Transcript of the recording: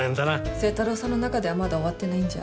星太郎さんの中ではまだ終わってないんじゃ。